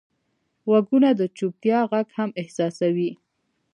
غوږونه د چوپتیا غږ هم احساسوي